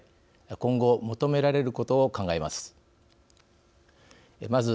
今後、求められることを考えます。